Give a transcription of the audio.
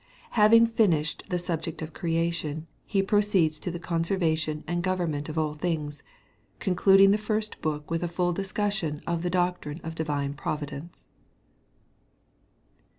Having finished the subject of creation, he proceeds to the conservation and government of all things, concluding the first book with a full discussion of the doctrine of divine providence.